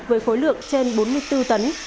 với khối lượng trên bốn mươi bốn tấn